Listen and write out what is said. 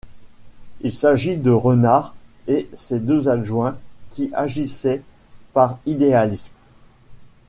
Il s'agit de Renard et ses deux adjoints, qui agissaient par idéalisme.